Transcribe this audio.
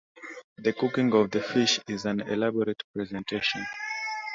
The cooking of the fish is an elaborate presentation.